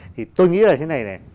thì tôi nghĩ là thế này này